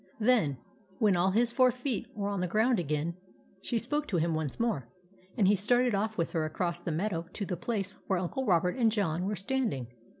Then, when all his four feet were on the ground again, she spoke to him once more, and he started off with her across the meadow to the place where Uncle Robert and John were stand ing.